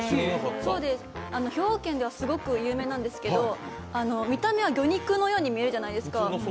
兵庫県ではすごく有名なんですけど、見た目は魚肉のように見えるじゃないですか。